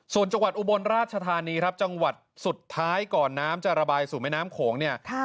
ส่วนจังหวัดอุบลราชธานีครับจังหวัดสุดท้ายก่อนน้ำจะระบายสู่แม่น้ำโขงเนี่ย